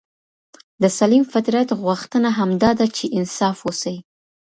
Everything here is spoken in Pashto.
د سلیم فطرت غوښتنه همدا ده چي انصاف وسي.